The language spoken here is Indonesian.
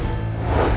nih ini udah gampang